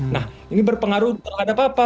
nah ini berpengaruh terhadap apa